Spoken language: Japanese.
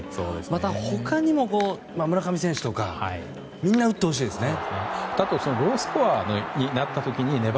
また他にも村上選手とかみんな打ってほしいですね。